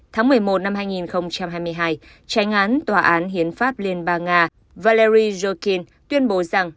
tháng một mươi một năm hai nghìn hai mươi hai tranh án tòa án hiến pháp liên bang nga valery jokhin tuyên bố rằng